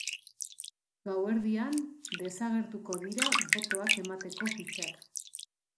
Gauerdian desagertuko dira botoak emateko fitxak.